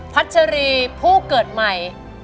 พระชะลีผู้เกิดใหม่